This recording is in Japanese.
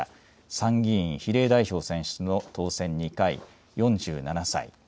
参議院比例代表選出の当選２回、４７歳。